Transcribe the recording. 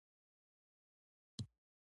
په پایله کې یې د بوټ جوړوونکي پیسې ورکړې